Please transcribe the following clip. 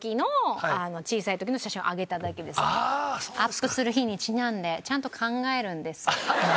アップする日にちなんでちゃんと考えるんです。